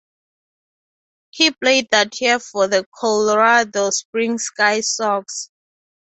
He played that year for the Colorado Springs Sky Sox.